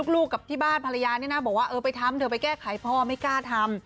ลูกกับที่บ้านภรรยานี่นะบอกว่าเออไปทำเถอะไปแก้ไขพ่อไม่กล้าทำ